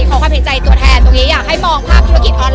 ขอความเห็นใจตัวแทนตรงนี้